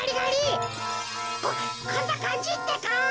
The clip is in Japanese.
ここんなかんじってか？